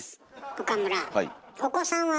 岡村